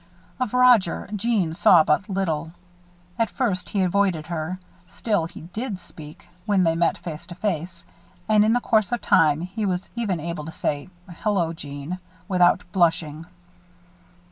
Of Roger, Jeanne saw but little. At first he avoided her; still, he did speak, when they met face to face; and, in the course of time, he was even able to say, "Hello, Jeanne!" without blushing.